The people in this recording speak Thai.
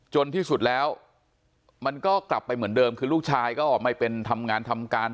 ที่สุดแล้วมันก็กลับไปเหมือนเดิมคือลูกชายก็ไม่เป็นทำงานทำการ